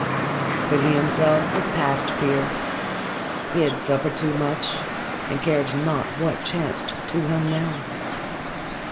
But he himself was past fear. He had suffered too much and cared not what chanced to him now.